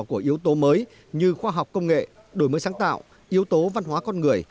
của yếu tố mới như khoa học công nghệ đổi mới sáng tạo yếu tố văn hóa con người